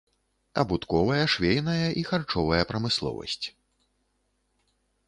Абутковая, швейная і харчовая прамысловасць.